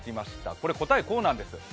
これ答えこうなんです。